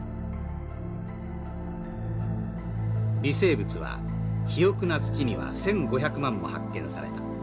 「微生物は肥沃な土には１，５００万も発見された。